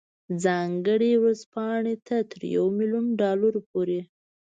ځانګړې ورځپاڼې ته تر یو میلیون ډالرو پورې.